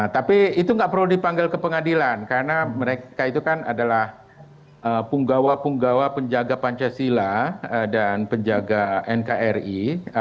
tapi itu nggak perlu dipanggil ke pengadilan karena mereka itu kan adalah punggawa punggawa penjaga pancasila dan penjaga nkri